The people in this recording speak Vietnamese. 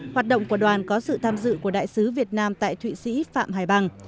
hoạt động của đoàn có sự tham dự của đại sứ việt nam tại thụy sĩ phạm hải bằng